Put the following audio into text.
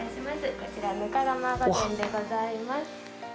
こちらぬか釜御膳でございます。